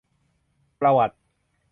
ประวัติ